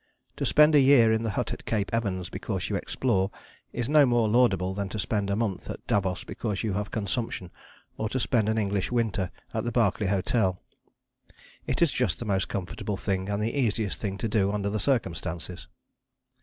To spend a year in the hut at Cape Evans because you explore is no more laudable than to spend a month at Davos because you have consumption, or to spend an English winter at the Berkeley Hotel. It is just the most comfortable thing and the easiest thing to do under the circumstances.